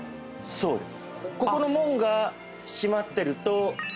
そうです！